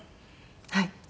はい。